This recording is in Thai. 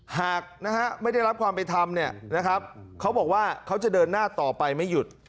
หากนะฮะไม่ได้รับความเป็นธรรมเขาบอกว่าเขาจะเดินหน้าต่อไปไม่หยุด